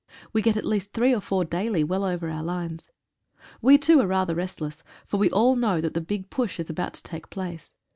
We get at least three or four daily, well over our lines. We, too, are rather restless, for we all know that the big push is about to take place.